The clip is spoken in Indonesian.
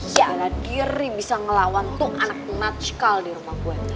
ya allah diri bisa ngelawan tuh anak anak cikal di rumah gue